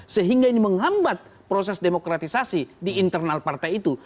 sehingga ini menghambat proses demokratisasi di internal partai itu